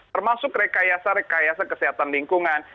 termasuk rekayasa rekayasa kesehatan lingkungan